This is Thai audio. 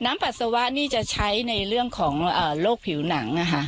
ปัสสาวะนี่จะใช้ในเรื่องของโรคผิวหนัง